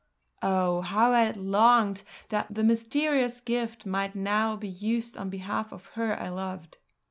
Oh! how I longed that the mysterious gift might now be used on behalf of her I loved.